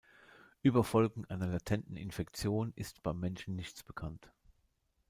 Über Folgen einer latenten Infektion ist beim Menschen nichts bekannt.